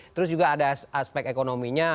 terus juga ada aspek ekonominya